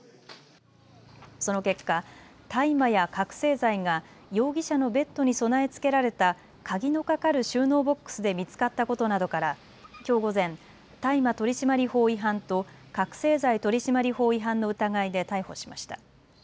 その結果、大麻や覚醒剤が容疑者のベッドに備え付けられた鍵のかかる収納ボックスで見つかったことなどからきょう午前、大麻取締法違反と覚醒剤取締法違反の疑いで逮捕しました。